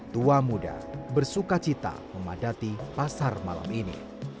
tua muda bersuka cita memadati pasar malam ini